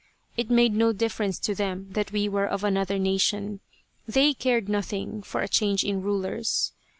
It made no difference to them that we were of another nation. They cared nothing for a change in rulers.